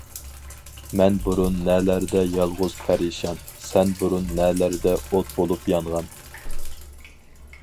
مەن بۇرۇن نەلەردە يالغۇز پەرىشان، سەن بۇرۇن نەلەردە ئوت بولۇپ يانغان.؟!